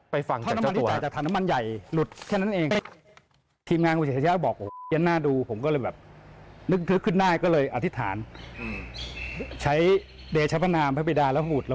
ไปฟังจากเจ้าตัว